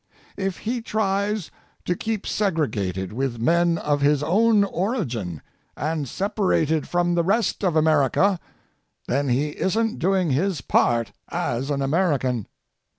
If he tries to keep segregated with men of his own origin and separated from the rest of America, then he isn't doing his part as an American.